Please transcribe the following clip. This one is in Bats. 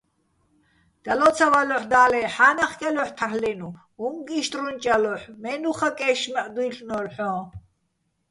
დალო́ცავალოჰ̦ო̆, და́ლე́, ჰ̦ა́ნახკ ჲალოჰ̦ო̆ თარლ'ენო̆, უ̂ჼკ იშტრუნჭ ჲალოჰ̦ო̆, მე́ნუხაკ ე́შშმაჸო̆ დუ́ჲლ'ნო́ლო̆ ჰ̦ოჼ?